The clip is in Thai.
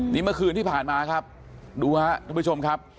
นี่เมื่อคืนที่ผ่านมาครับดูครับทุกผู้ชมครับ